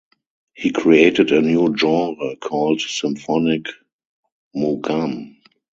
He created a new genre called symphonic mugam.